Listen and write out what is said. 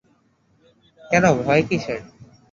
কেন, ভয় কিসের?